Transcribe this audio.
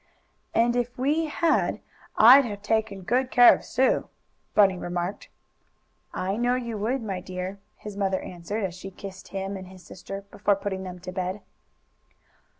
"And if we had I'd have taken good care of Sue," Bunny remarked. "I know you would, my dear," his mother answered, as she kissed him and his sister, before putting them to bed.